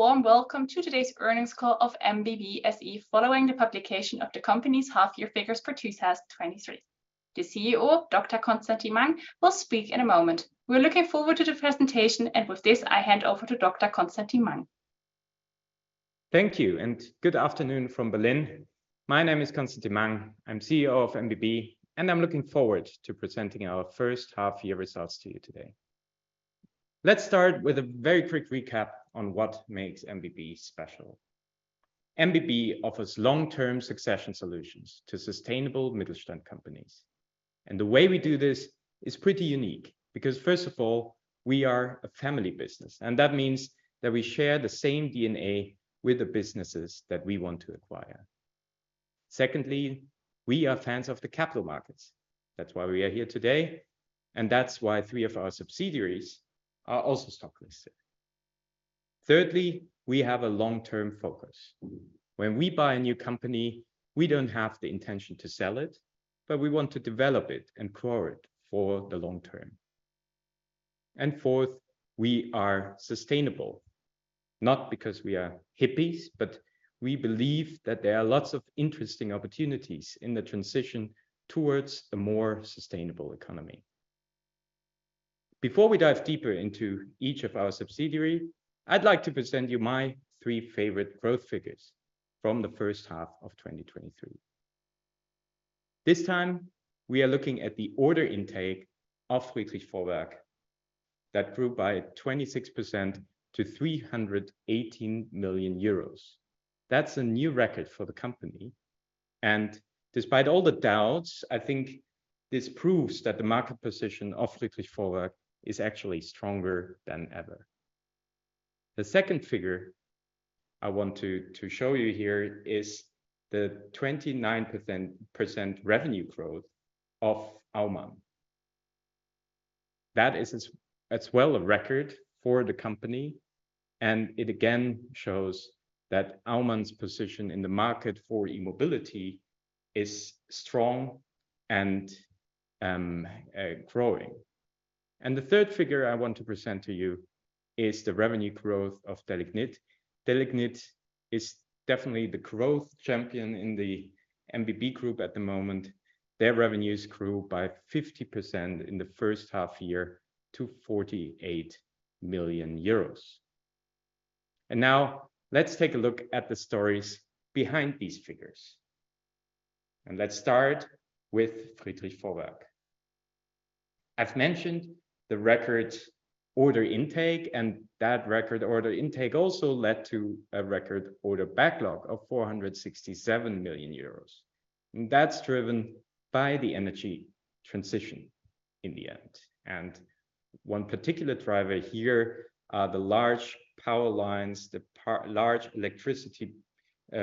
A warm welcome to today's earnings call of MBB SE, following the publication of the company's half year figures for 2023. The CEO, Dr. Constantin Mang, will speak in a moment. We're looking forward to the presentation. With this, I hand over to Dr. Constantin Mang. Thank you. Good afternoon from Berlin. My name is Constantin Mang, I'm CEO of MBB, and I'm looking forward to presenting our first half year results to you today. Let's start with a very quick recap on what makes MBB special. MBB offers long-term succession solutions to sustainable Mittelstand companies, and the way we do this is pretty unique, because, first of all, we are a family business, and that means that we share the same DNA with the businesses that we want to acquire. Secondly, we are fans of the capital markets. That's why we are here today, and that's why three of our subsidiaries are also stock listed. Thirdly, we have a long-term focus. When we buy a new company, we don't have the intention to sell it, but we want to develop it and grow it for the long term. Fourth, we are sustainable. Not because we are hippies, but we believe that there are lots of interesting opportunities in the transition towards a more sustainable economy. Before we dive deeper into each of our subsidiary, I'd like to present you my three favorite growth figures from the first half of 2023. This time, we are looking at the order intake of Friedrich Vorwerk, that grew by 26% to 318 million euros. That's a new record for the company, and despite all the doubts, I think this proves that the market position of Friedrich Vorwerk is actually stronger than ever. The second figure I want to show you here is the 29% revenue growth of Aumann. That is as well, a record for the company, and it again shows that Aumann's position in the market for e-mobility is strong and growing. The third figure I want to present to you is the revenue growth of Delignit. Delignit is definitely the growth champion in the MBB group at the moment. Their revenues grew by 50% in the first half year to 48 million euros. Now, let's take a look at the stories behind these figures, let's start with Friedrich Vorwerk. As mentioned, the record order intake, that record order intake also led to a record order backlog of 467 million euros. That's driven by the energy transition in the end, and one particular driver here, the large power lines, the par-- large electricity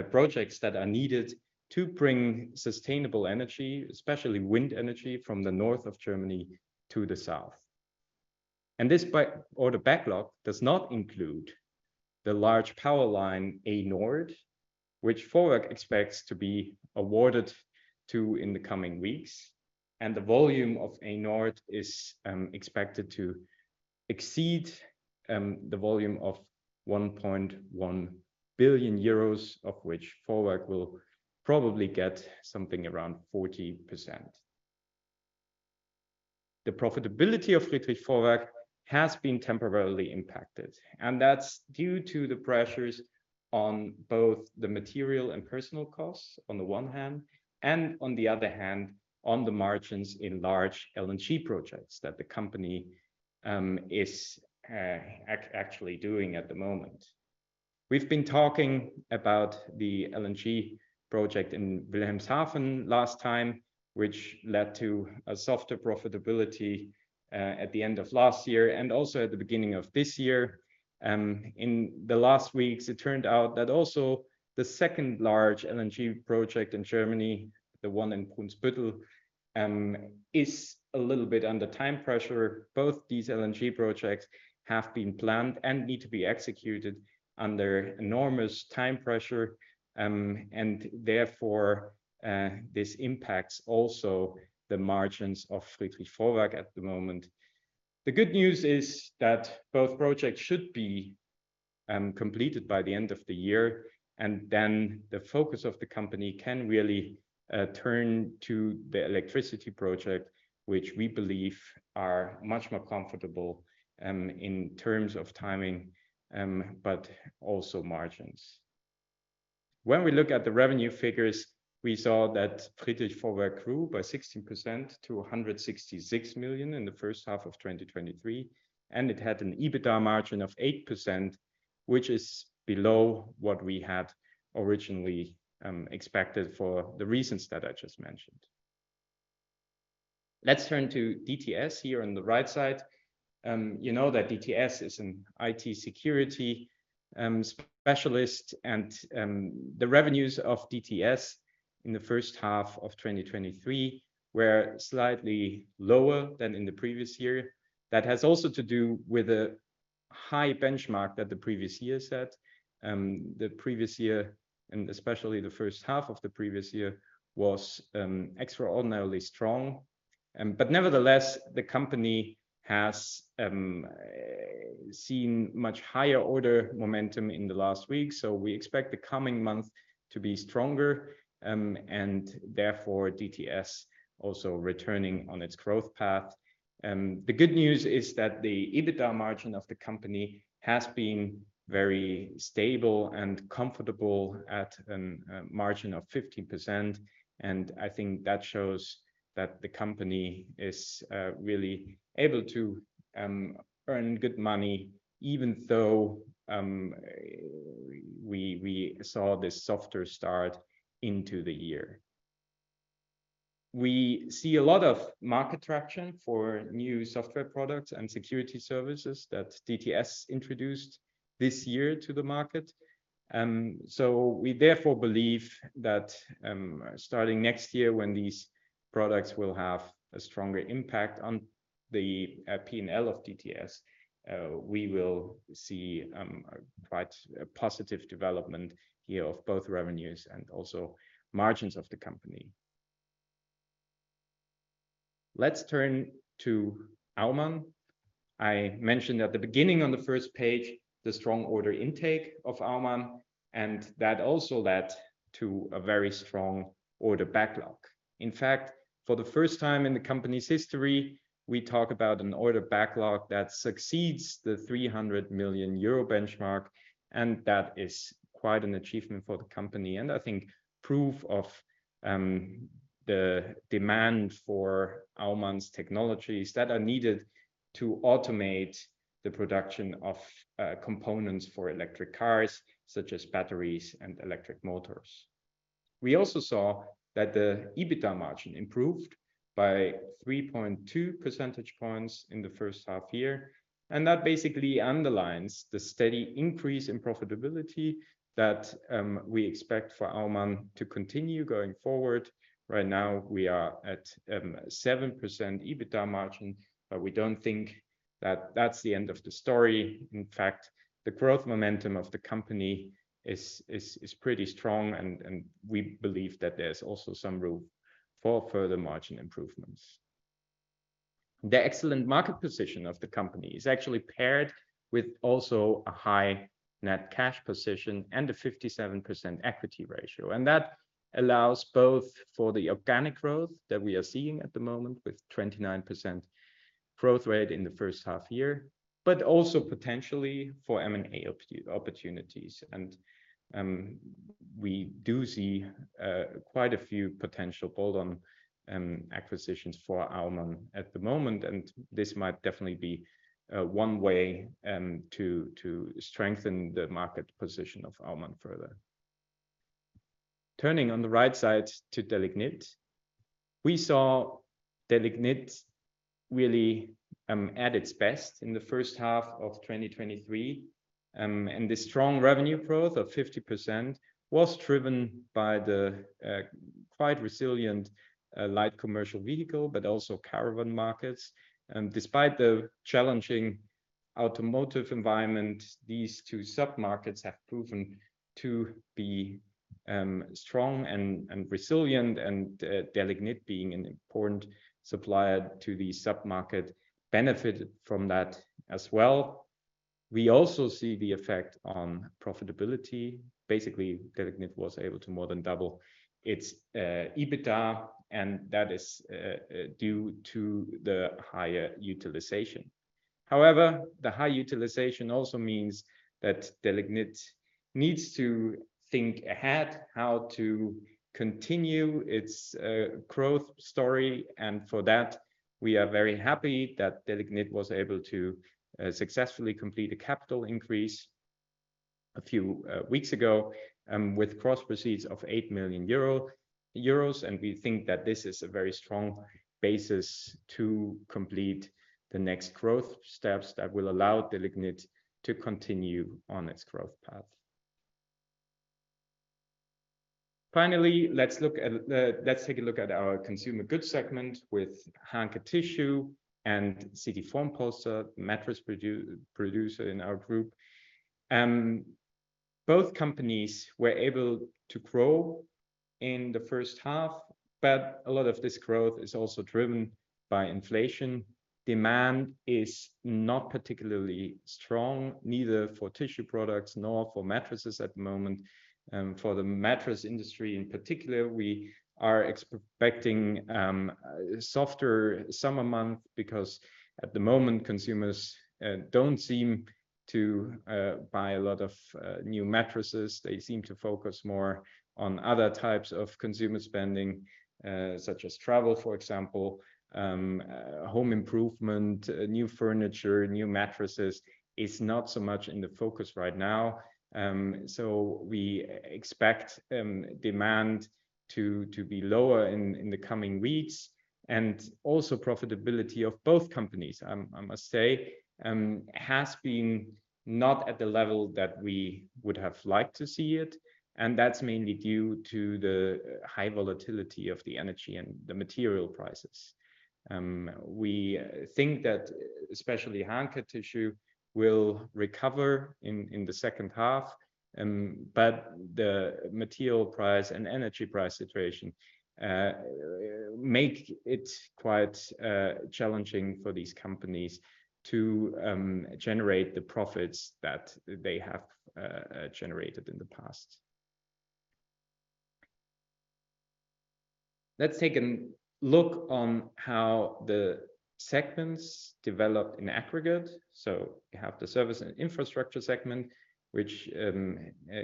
projects that are needed to bring sustainable energy, especially wind energy, from the north of Germany to the south. This order backlog does not include the large power line A-Nord, which Vorwerk expects to be awarded to in the coming weeks, and the volume of A-Nord is expected to exceed 1.1 billion euros, of which Vorwerk will probably get something around 40%. The profitability of Friedrich Vorwerk has been temporarily impacted, and that's due to the pressures on both the material and personal costs on the one hand, and on the other hand, on the margins in large LNG projects that the company is actually doing at the moment. We've been talking about the LNG project in Wilhelmshaven last time, which led to a softer profitability at the end of last year, and also at the beginning of this year. In the last weeks, it turned out that also the 2nd large LNG project in Germany, the one in Brunsbüttel, is a little bit under time pressure. Both these LNG projects have been planned and need to be executed under enormous time pressure, and therefore, this impacts also the margins of Friedrich Vorwerk at the moment. The good news is that both projects should be completed by the end of the year, and then the focus of the company can really turn to the electricity project, which we believe are much more comfortable in terms of timing, but also margins. When we look at the revenue figures, we saw that Friedrich Vorwerk grew by 16% to 166 million in the first half of 2023, and it had an EBITDA margin of 8%, which is below what we had originally expected for the reasons that I just mentioned. Let's turn to DTS here on the right side. You know that DTS is an IT security specialist and the revenues of DTS in the first half of 2023 were slightly lower than in the previous year. That has also to do with the high benchmark that the previous year, and especially the first half of the previous year, was extraordinarily strong. Nevertheless, the company has seen much higher order momentum in the last week, so we expect the coming month to be stronger, and therefore DTS also returning on its growth path. The good news is that the EBITDA margin of the company has been very stable and comfortable at a margin of 50%, and I think that shows that the company is really able to earn good money, even though we saw this softer start into the year. We see a lot of market traction for new software products and security services that DTS introduced this year to the market. We therefore believe that, starting next year, when these products will have a stronger impact on the P&L of DTS, we will see a quite a positive development here of both revenues and also margins of the company. Let's turn to Aumann. I mentioned at the beginning on the first page, the strong order intake of Aumann, and that also led to a very strong order backlog. In fact, for the first time in the company's history, we talk about an order backlog that succeeds the 300 million euro benchmark, and that is quite an achievement for the company, and I think proof of the demand for Aumann's technologies that are needed to automate the production of components for electric cars, such as batteries and electric motors. We also saw that the EBITDA margin improved by 3.2 percentage points in the first half year, and that basically underlines the steady increase in profitability that we expect for Aumann to continue going forward. Right now, we are at 7% EBITDA margin, but we don't think that that's the end of the story. In fact, the growth momentum of the company is pretty strong, and we believe that there's also some room for further margin improvements. The excellent market position of the company is actually paired with also a high net cash position and a 57% equity ratio, and that allows both for the organic growth that we are seeing at the moment, with 29% growth rate in the first half year, but also potentially for M&A opportunities. We do see quite a few potential add-on acquisitions for Aumann at the moment, and this might definitely be one way to strengthen the market position of Aumann further. Turning on the right side to Delignit. We saw Delignit really at its best in the first half of 2023, and the strong revenue growth of 50% was driven by the quite resilient light commercial vehicle, but also caravan markets. Despite the challenging automotive environment, these two submarkets have proven to be strong and resilient, and Delignit, being an important supplier to the submarket, benefited from that as well. We also see the effect on profitability. Basically, Delignit was able to more than double its EBITDA, and that is due to the higher utilization. However, the high utilization also means that Delignit needs to think ahead how to continue its growth story, and for that, we are very happy that Delignit was able to successfully complete a capital increase a few weeks ago, with gross proceeds of 8 million euro and we think that this is a very strong basis to complete the next growth steps that will allow Delignit to continue on its growth path. Finally, let's look at, let's take a look at our Consumer Goods segment with Hanke Tissue and CT Formpolster, mattress producer in our group. Both companies were able to grow in the first half, but a lot of this growth is also driven by inflation. Demand is not particularly strong, neither for tissue products nor for mattresses at the moment. For the mattress industry in particular, we are expecting a softer summer month, because at the moment, consumers don't seem to buy a lot of new mattresses. They seem to focus more on other types of consumer spending, such as travel, for example, home improvement. New furniture, new mattresses is not so much in the focus right now. So we expect demand to be lower in the coming weeks. Also profitability of both companies, I must say, has been not at the level that we would have liked to see it, and that's mainly due to the high volatility of the energy and the material prices. We think that especially Hanke Tissue will recover in, in the second half, but the material price and energy price situation make it quite challenging for these companies to generate the profits that they have generated in the past. Let's take a look on how the segments developed in aggregate. We have the Service & Infrastructure segment, which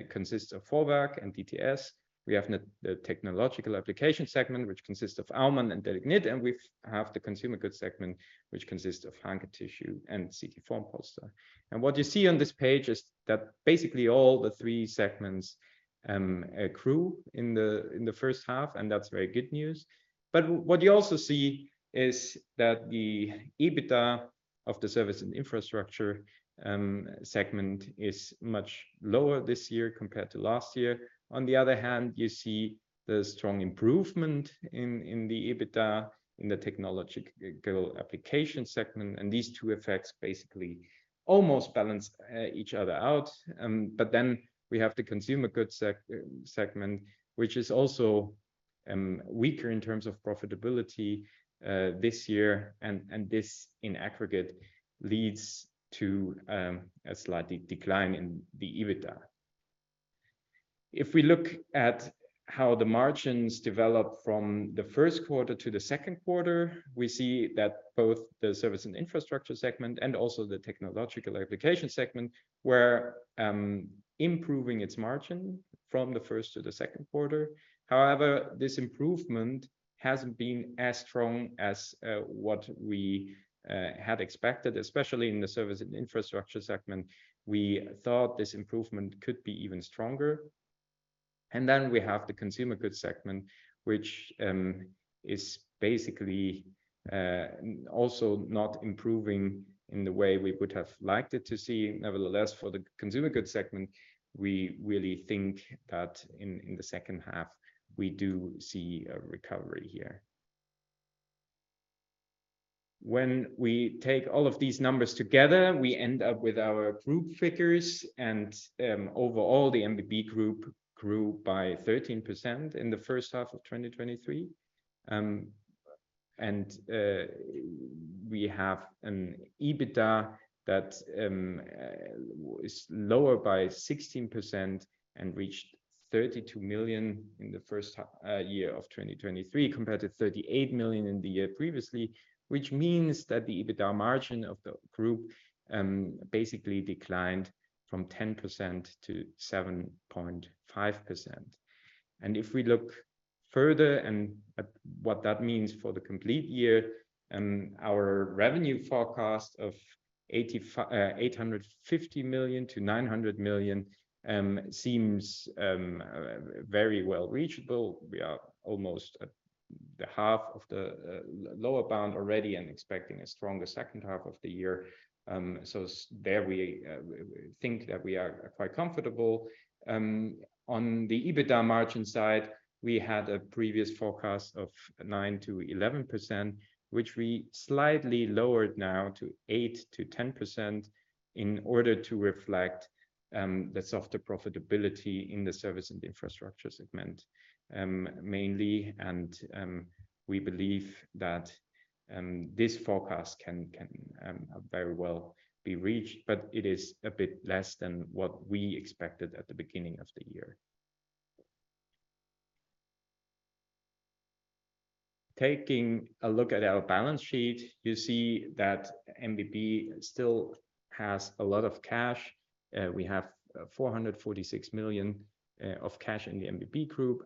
consists of Vorwerk and DTS. We have the, the Technological Applications segment, which consists of Aumann and Delignit, and we have the Consumer Coods segment, which consists of Hanke Tissue and CT Formpolster. What you see on this page is that basically all the three segments accrue in the, in the first half, and that's very good news. What you also see is that the EBITDA of the Service & Infrastructure segment is much lower this year compared to last year. On the other hand, you see the strong improvement in, in the EBITDA in the Technological Applications segment, and these two effects basically almost balance each other out. We have the Consumer Goods segment, which is also weaker in terms of profitability this year, and, and this in aggregate, leads to a slight decline in the EBITDA. If we look at how the margins developed from the first quarter to the second quarter, we see that both the Service & Infrastructure segment and also the Technological Applications segment, were improving its margin from the first to the second quarter. However, this improvement hasn't been as strong as what we had expected, especially in the Service & Infrastructure segment. We thought this improvement could be even stronger. Then we have the Consumer Goods segment, which is basically also not improving in the way we would have liked it to see. Nevertheless, for the Consumer Goods segment, we really think that in, in the second half, we do see a recovery here. When we take all of these numbers together, we end up with our group figures. Overall, the MBB group grew by 13% in the first half of 2023. We have an EBITDA that is lower by 16% and reached 32 million in the first year of 2023, compared to 38 million in the year previously, which means that the EBITDA margin of the group basically declined from 10%-7.5%. If we look further and at what that means for the complete year, our revenue forecast of 850 million-900 million seems very well reachable. We are almost at the half of the lower bound already and expecting a stronger second half of the year. There we think that we are quite comfortable. On the EBITDA margin side, we had a previous forecast of 9%-11%, which we slightly lowered now to 8%-10% in order to reflect the softer profitability in the Service & Infrastructure segment mainly, and we believe that this forecast can very well be reached, but it is a bit less than what we expected at the beginning of the year. Taking a look at our balance sheet, you see that MBB still has a lot of cash. We have 446 million of cash in the MBB Group,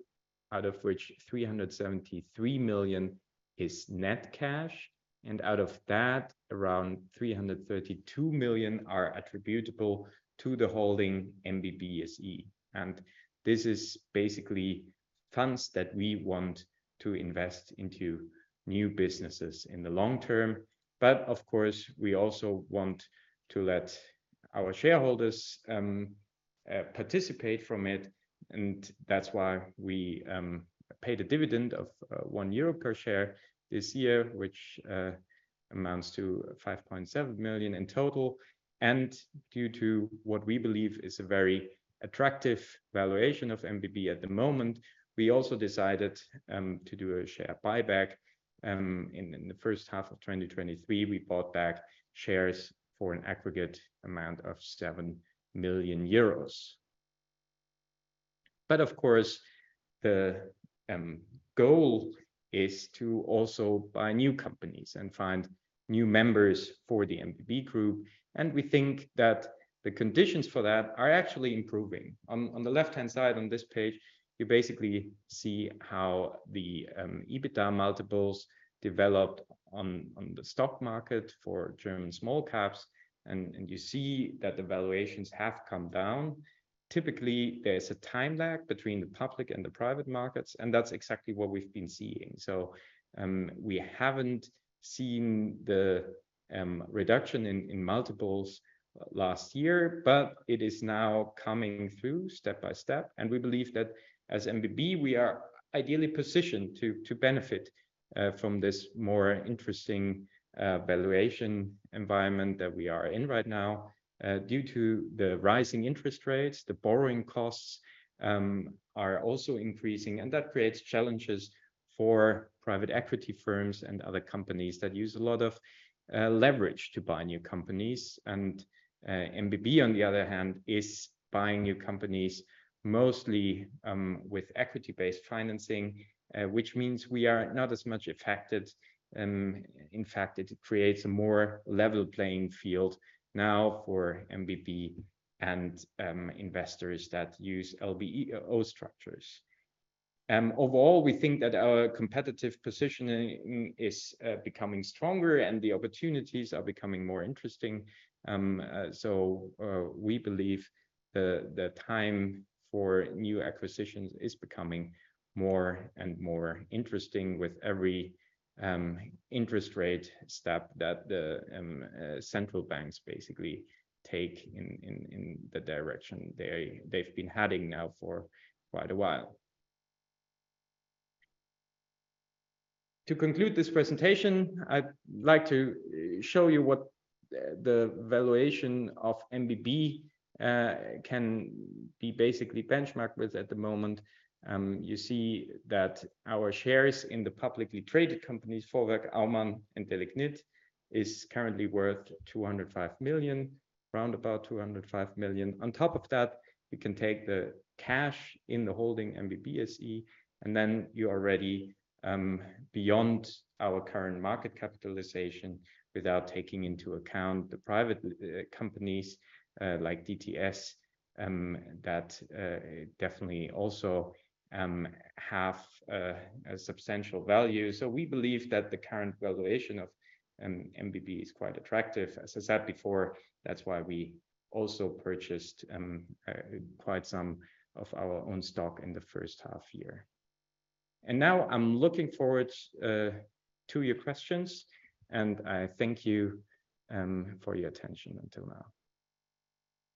out of which 373 million is net cash, and out of that, around 332 million are attributable to the holding MBB SE. This is basically funds that we want to invest into new businesses in the long term. Of course, we also want to let our shareholders participate from it, and that's why we paid a dividend of 1 euro per share this year, which amounts to 5.7 million in total. Due to what we believe is a very attractive valuation of MBB at the moment, we also decided to do a share buyback. In the first half of 2023, we bought back shares for an aggregate amount of 7 million euros. Of course, the goal is to also buy new companies and find new members for the MBB group, and we think that the conditions for that are actually improving. On the left-hand side on this page, you basically see how the EBITDA multiples developed on, on the stock market for German small caps, and you see that the valuations have come down. Typically, there's a time lag between the public and the private markets, and that's exactly what we've been seeing. We haven't seen the reduction in multiples last year, but it is now coming through step by step, and we believe that as MBB, we are ideally positioned to benefit from this more interesting valuation environment that we are in right now. Due to the rising interest rates, the borrowing costs are also increasing, and that creates challenges for private equity firms and other companies that use a lot of leverage to buy new companies. MBB, on the other hand, is buying new companies mostly with equity-based financing, which means we are not as much affected. In fact, it creates a more level playing field now for MBB and investors that use LBO structures. Overall, we think that our competitive positioning is becoming stronger and the opportunities are becoming more interesting. We believe the, the time for new acquisitions is becoming more and more interesting with every interest rate step that the central banks basically take in, in, in the direction they- they've been heading now for quite a while. To conclude this presentation, I'd like to show you what the, the valuation of MBB can be basically benchmarked with at the moment. You see that our shares in the publicly traded companies, Vorwerk, Aumann, and Delignit, is currently worth 205 million, round about 205 million. On top of that, you can take the cash in the holding MBB SE, then you are already beyond our current market capitalization, without taking into account the private companies like DTS, that definitely also have a substantial value. We believe that the current valuation of MBB is quite attractive. As I said before, that's why we also purchased quite some of our own stock in the first half year. Now I'm looking forward to your questions, and I thank you for your attention until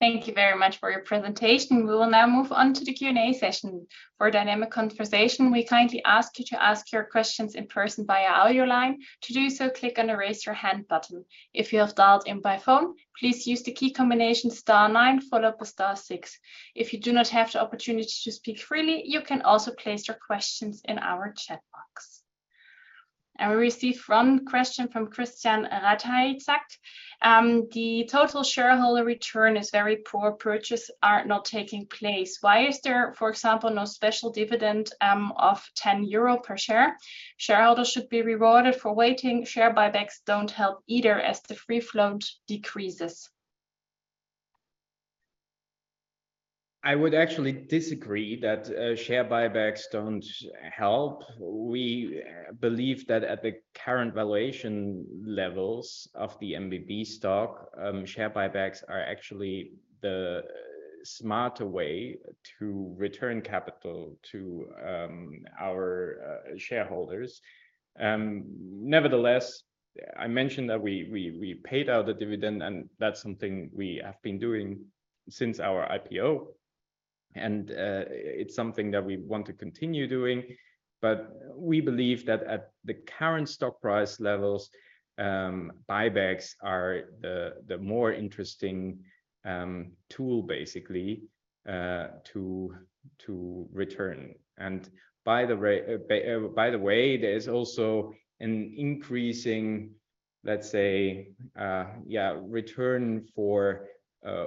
now. Thank you very much for your presentation. We will now move on to the Q&A session. For a dynamic conversation, we kindly ask you to ask your questions in person via our audio line. To do so, click on the Raise Your Hand button. If you have dialed in by phone, please use the key combination star 9 followed by star 6. If you do not have the opportunity to speak freely, you can also place your questions in our chat box. We received 1 question from Christian Ratajczak. "The total shareholder return is very poor. Purchases are not taking place. Why is there, for example, no special dividend of 10 euro per share? Shareholders should be rewarded for waiting. Share buybacks don't help either, as the free float decreases. I would actually disagree that share buybacks don't help. We believe that at the current valuation levels of the MBB stock, share buybacks are actually the smarter way to return capital to our shareholders. Nevertheless, I mentioned that we, we, we paid out a dividend, and that's something we have been doing since our IPO, and it's something that we want to continue doing. We believe that at the current stock price levels, buybacks are the, the more interesting tool, basically, to, to return. By the way, by, by the way, there's also an increasing, let's say, Return for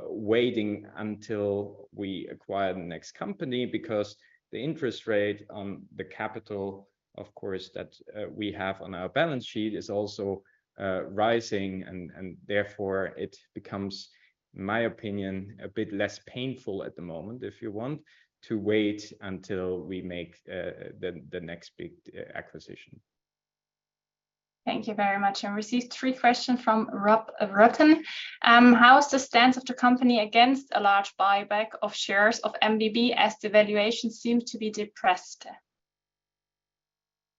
waiting until we acquire the next company, because the interest rate on the capital, of course, that we have on our balance sheet is also rising, and therefore it becomes, in my opinion, a bit less painful at the moment, if you want to wait until we make the next big acquisition. Thank you very much. I received 3 questions from Robert Röttgen. "How is the stance of the company against a large buyback of shares of MBB, as the valuation seems to be depressed?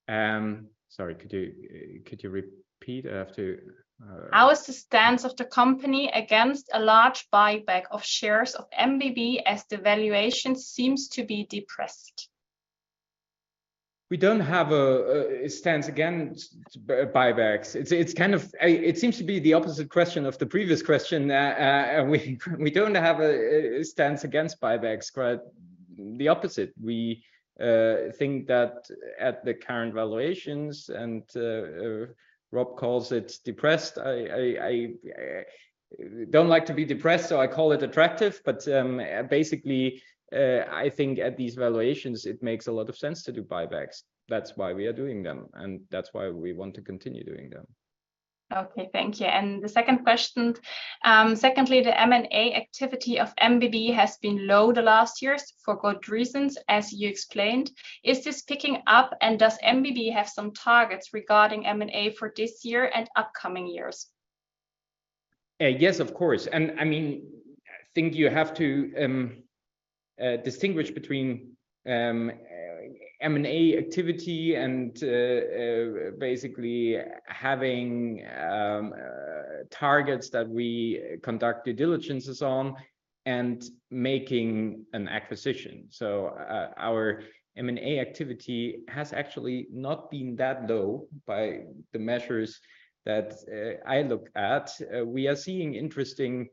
sorry, could you, could you repeat? I have to, How is the stance of the company against a large buyback of shares of MBB, as the valuation seems to be depressed? We don't have a stance against buybacks. It's, it's kind of. It seems to be the opposite question of the previous question. We don't have a stance against buybacks, but the opposite. We think that at the current valuations, and Rob calls it depressed, I don't like to be depressed, so I call it attractive. Basically, I think at these valuations it makes a lot of sense to do buybacks. That's why we are doing them, and that's why we want to continue doing them. Okay, thank you. The second question, secondly, the M&A activity of MBB has been low the last years, for good reasons, as you explained. Is this picking up, and does MBB have some targets regarding M&A for this year and upcoming years? Yes, of course. I mean, I think you have to distinguish between M&A activity and basically having targets that we conduct due diligence on, and making an acquisition. Our M&A activity has actually not been that low by the measures that I look at. We are seeing interesting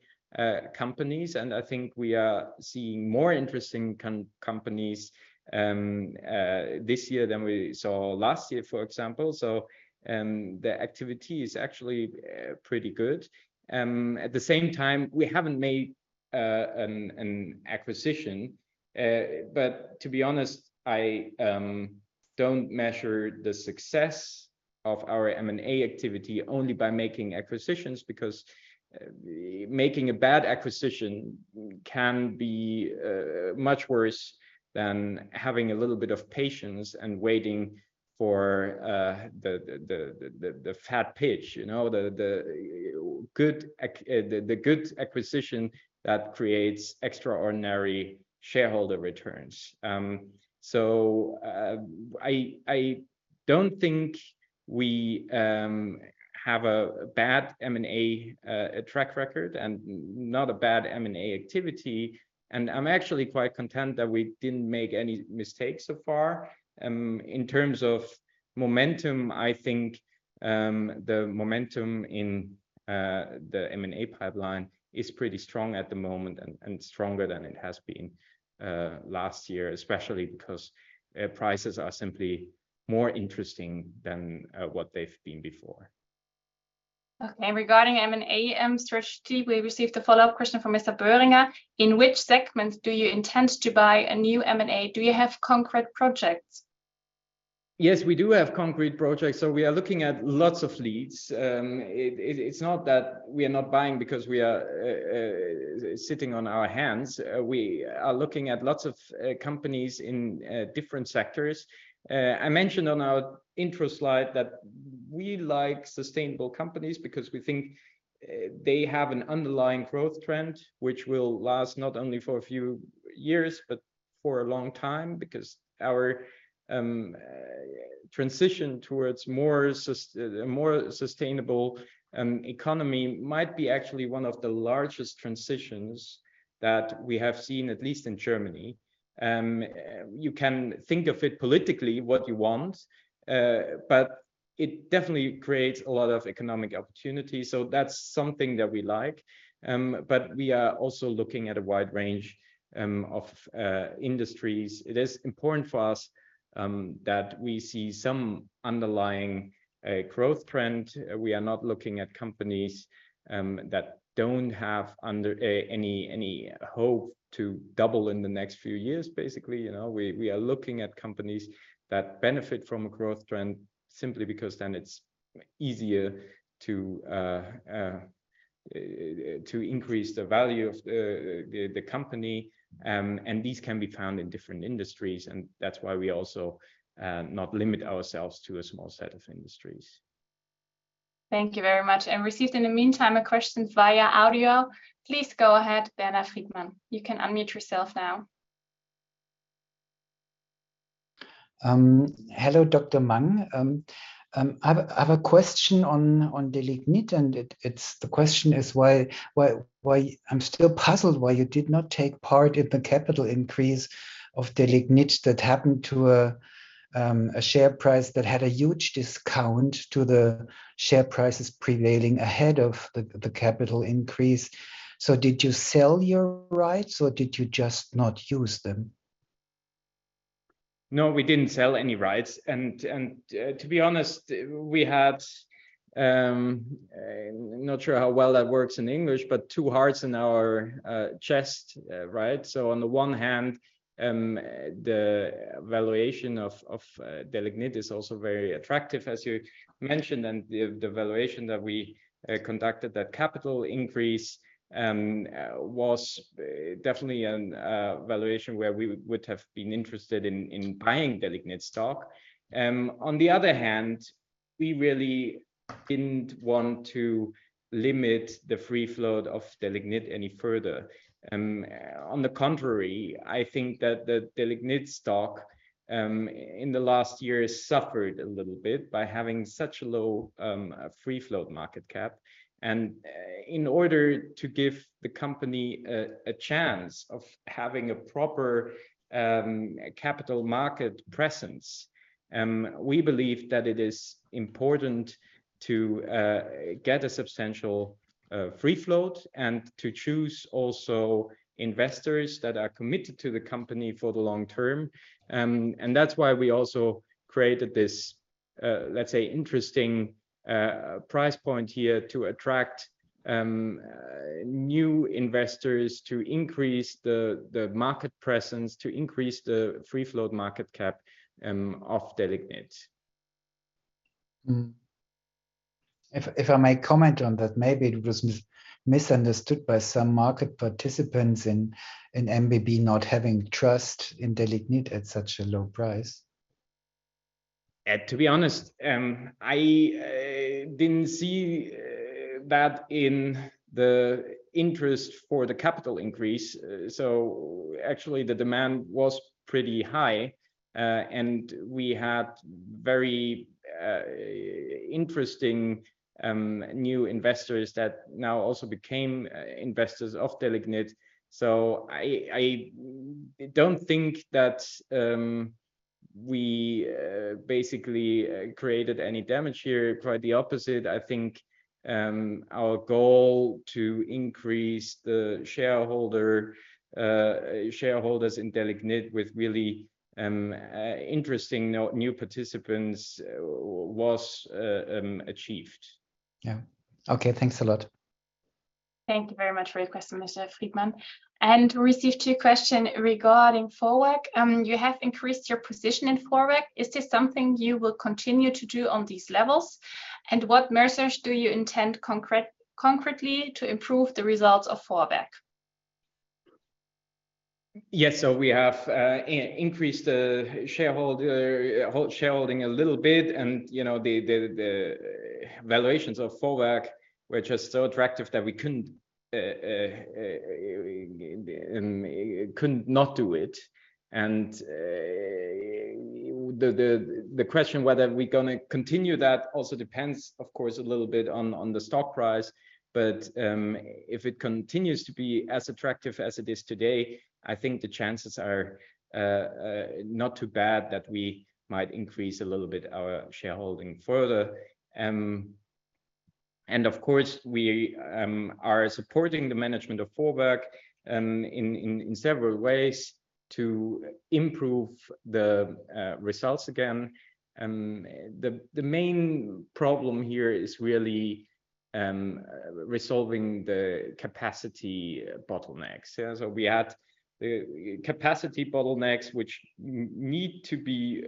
companies, and I think we are seeing more interesting companies this year than we saw last year, for example. The activity is actually pretty good. At the same time, we haven't made an acquisition. To be honest, I don't measure the success of our M&A activity only by making acquisitions, because making a bad acquisition can be much worse than having a little bit of patience and waiting for the, the, the, the, the fat pitch, you know? The good acquisition that creates extraordinary shareholder returns. I don't think we have a bad M&A track record, and not a bad M&A activity, and I'm actually quite content that we didn't make any mistakes so far. In terms of momentum, I think the momentum in the M&A pipeline is pretty strong at the moment and stronger than it has been last year. Especially because prices are simply more interesting than what they've been before. Okay, and regarding M&A, strategy, we received a follow-up question from Mr. Böhringer: "In which segment do you intend to buy a new M&A? Do you have concrete projects? Yes, we do have concrete projects, so we are looking at lots of leads. It's not that we are not buying because we are sitting on our hands. We are looking at lots of companies in different sectors. I mentioned on our intro slide that we like sustainable companies because we think they have an underlying growth trend, which will last not only for a few years, but for a long time. Our transition towards more sustainable economy might be actually one of the largest transitions that we have seen, at least in Germany. You can think of it politically what you want. It definitely creates a lot of economic opportunity, so that's something that we like. We are also looking at a wide range of industries. It is important for us that we see some underlying growth trend. We are not looking at companies that don't have any, any hope to double in the next few years, basically, you know? We, we are looking at companies that benefit from a growth trend simply because then it's easier to increase the value of the, the, the company. These can be found in different industries, and that's why we also not limit ourselves to a small set of industries. Thank you very much. Received in the meantime a question via audio. Please go ahead, Bernard Friedman. You can unmute yourself now. Hello, Dr. Mang. I have, I have a question on Delignit, and the question is why, why, why... I'm still puzzled why you did not take part in the capital increase of Delignit that happened to a share price that had a huge discount to the share prices prevailing ahead of the capital increase. Did you sell your rights or did you just not use them? No, we didn't sell any rights. To be honest, we had, I'm not sure how well that works in English, but two hearts in our chest, right? On the one hand, the valuation of Delignit is also very attractive, as you mentioned, and the valuation that we conducted, that capital increase, was definitely a valuation where we would have been interested in buying Delignit stock. On the other hand, we really didn't want to limit the free float of Delignit any further. On the contrary, I think that the Delignit stock, in the last year, has suffered a little bit by having such a low free float market cap. In order to give the company a chance of having a proper capital market presence, we believe that it is important to get a substantial free float and to choose also investors that are committed to the company for the long term. That's why we also created this, let's say, interesting price point here to attract new investors, to increase the market presence, to increase the free-flow market cap of Delignit. Mm. If, if I may comment on that, maybe it was misunderstood by some market participants in MBB not having trust in Delignit at such a low price. To be honest, I didn't see that in the interest for the capital increase. Actually, the demand was pretty high, and we had very interesting new investors that now also became investors of Delignit. I, I don't think that we basically created any damage here. Quite the opposite. I think our goal to increase the shareholder shareholders in Delignit with really interesting new, new participants was achieved. Yeah. Okay, thanks a lot. Thank you very much for your question, Mr. Friedman. We received your question regarding Vorwerk. You have increased your position in Vorwerk. Is this something you will continue to do on these levels? What measures do you intend concretely to improve the results of Vorwerk? Yes, we have increased the shareholder, shareholding a little bit, and, you know, the valuations of Vorwerk were just so attractive that we couldn't not do it. The question whether we're gonna continue that also depends, of course, a little bit on the stock price. If it continues to be as attractive as it is today, I think the chances are not too bad that we might increase a little bit our shareholding further. Of course, we are supporting the management of Vorwerk in several ways to improve the results again. The main problem here is really resolving the capacity bottlenecks. Yeah, so we had the capacity bottlenecks, which need to be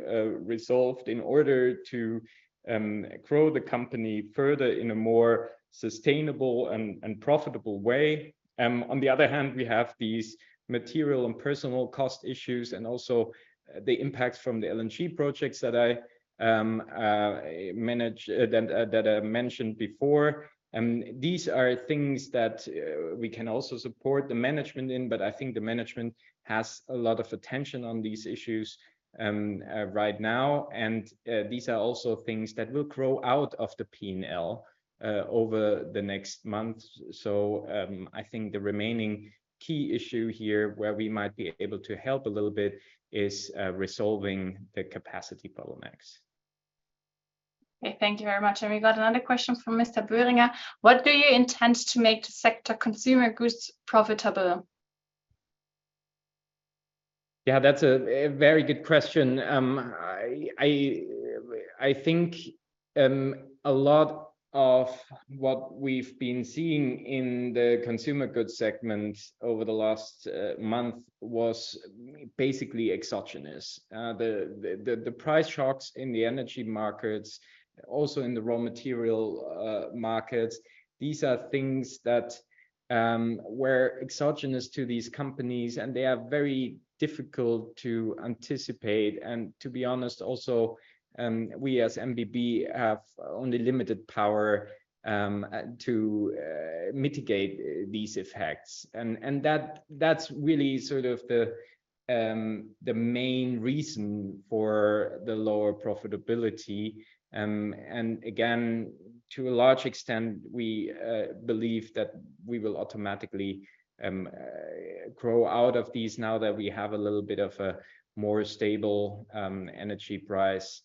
resolved in order to grow the company further in a more sustainable and profitable way. On the other hand, we have these material and personal cost issues, and also the impact from the LNG projects that I mentioned before. These are things that we can also support the management in, but I think the management has a lot of attention on these issues right now, and these are also things that will grow out of the P&L over the next months. I think the remaining key issue here, where we might be able to help a little bit, is resolving the capacity bottlenecks. Okay, thank you very much. We got another question from Mr. Böhringer: "What do you intend to make the sector Consumer Goods profitable? Yeah, that's a very good question. I, I, I think a lot of what we've been seeing in the Consumer Goods segment over the last month was basically exogenous. The price shocks in the energy markets, also in the raw material markets, these are things that were exogenous to these companies, they are very difficult to anticipate. To be honest, also, we as MBB have only limited power to mitigate these effects. That, that's really sort of the main reason for the lower profitability. Again, to a large extent, we believe that we will automatically grow out of these. Now that we have a little bit of a more stable energy price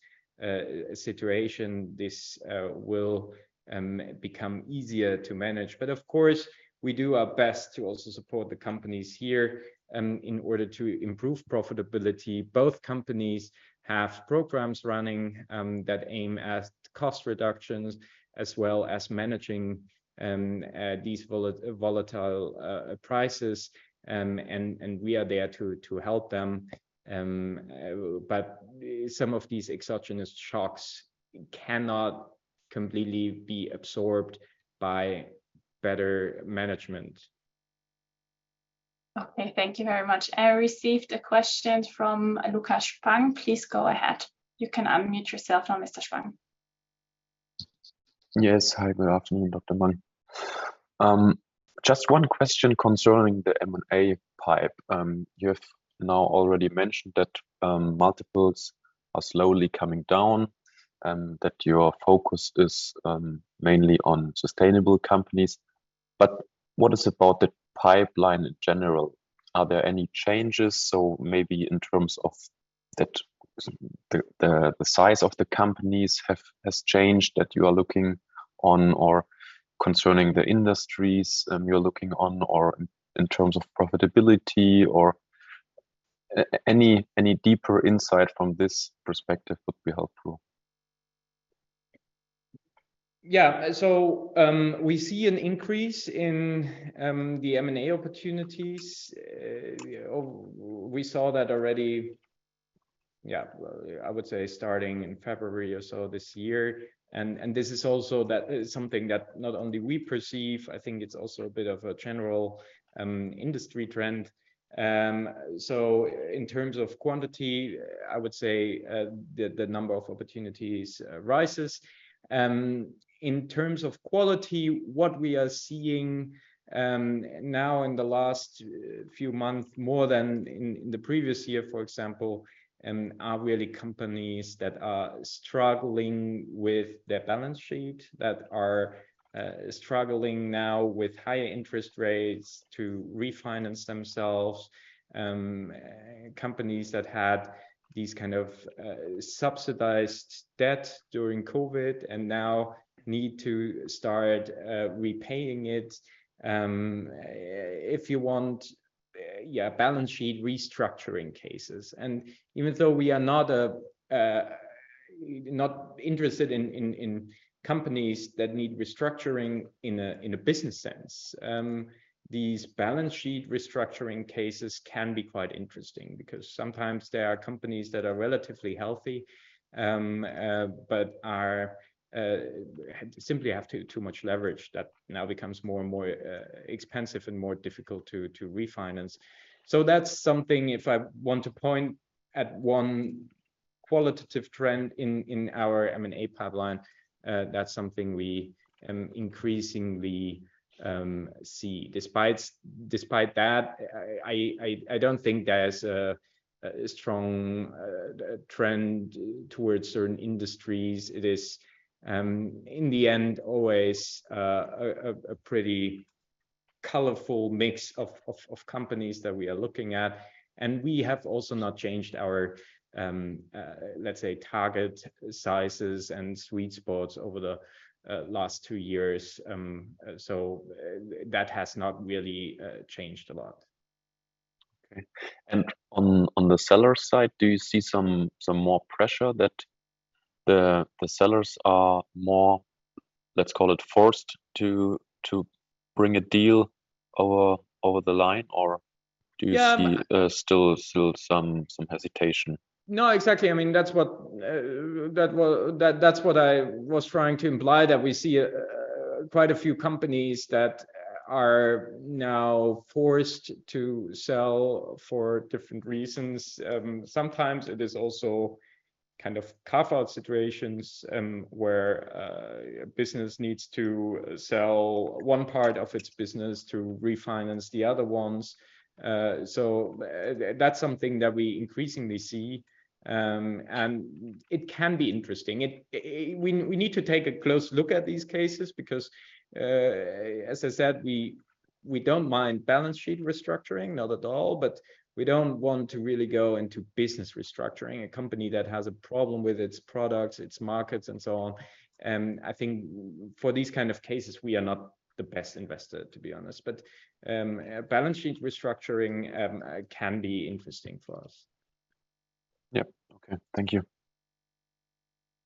situation, this will become easier to manage. Of course, we do our best to also support the companies here, in order to improve profitability. Both companies have programs running, that aim at cost reductions, as well as managing these volatile prices, and we are there to help them. Some of these exogenous shocks cannot completely be absorbed by better management. Okay, thank you very much. I received a question from Lukas Spang. Please go ahead. You can unmute yourself now, Mr. Schwang. Yes. Hi, good afternoon, Dr. Mang. Just one question concerning the M&A pipe. You have now already mentioned that multiples are slowly coming down, and that your focus is mainly on sustainable companies, but what is about the pipeline in general? Are there any changes, so maybe in terms of that, the size of the companies has changed, that you are looking on, or concerning the industries, you're looking on, or in terms of profitability, or... Any deeper insight from this perspective would be helpful. Yeah. We see an increase in the M&A opportunities, we saw that already, I would say starting in February or so this year. This is also something that not only we perceive, I think it's also a bit of a general industry trend. In terms of quantity, I would say the number of opportunities rises. In terms of quality, what we are seeing now in the last few months, more than in the previous year, for example, are really companies that are struggling with their balance sheet, that are struggling now with higher interest rates to refinance themselves. Companies that had these kind of subsidized debt during COVID and now need to start repaying it. If you want, balance sheet restructuring cases. Even though we are not not interested in companies that need restructuring in a business sense, these balance sheet restructuring cases can be quite interesting, because sometimes there are companies that are relatively healthy, but are simply have too much leverage that now becomes more and more expensive and more difficult to refinance. That's something if I want to point at one qualitative trend in our M&A pipeline, that's something we increasingly see. Despite that, I don't think there's a strong trend towards certain industries. It is in the end, always a pretty colorful mix of companies that we are looking at. We have also not changed our, let's say, target sizes and sweet spots over the last two years. That has not really changed a lot. Okay. On the seller side, do you see some more pressure that the sellers are more, let's call it, forced to bring a deal over the line? Yeah... see, still, still some, some hesitation? No, exactly. I mean, that's what I was trying to imply, that we see quite a few companies that are now forced to sell for different reasons. Sometimes it is also kind of carve-out situations, where a business needs to sell one part of its business to refinance the other ones. That's something that we increasingly see, and it can be interesting. It, we, we need to take a close look at these cases because, as I said, we, we don't mind balance sheet restructuring, not at all, but we don't want to really go into business restructuring. A company that has a problem with its products, its markets, and so on, I think for these kind of cases, we are not the best investor, to be honest. Balance sheet restructuring can be interesting for us. Yep. Okay. Thank you.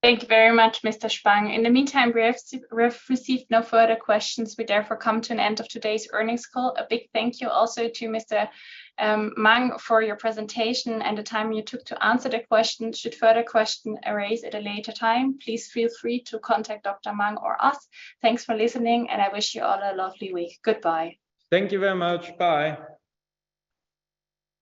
Thank you very much, Mr. Spang. In the meantime, we've received no further questions. We therefore come to an end of today's earnings call. A big thank you also to Mr. Mang, for your presentation and the time you took to answer the questions. Should further question arise at a later time, please feel free to contact Dr. Mang or us. Thanks for listening, and I wish you all a lovely week. Goodbye. Thank you very much. Bye.